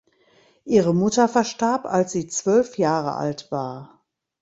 Ihre Mutter verstarb als sie zwölf Jahre alt war.